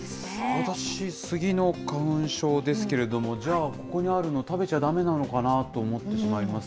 私、スギの花粉症ですけれども、じゃあ、ここにあるの食べちゃだめなのかなと思ってしまいます。